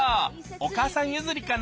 お母さん譲りかな？